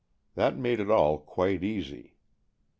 That made it all quite easy.